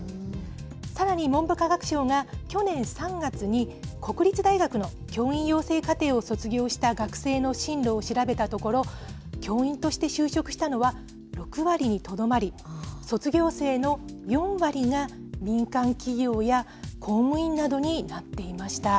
さらに、文部科学省が去年３月に国立大学の教員養成課程を卒業した学生の進路を調べたところ、教員として就職したのは６割にとどまり、卒業生の４割が民間企業や公務員などになっていました。